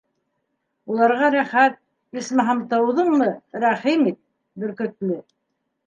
Уларға рәхәт, исмаһам, тыуҙыңмы, рәхим ит: Бөркөтлө.